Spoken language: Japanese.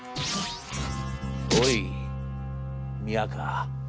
『おい宮河。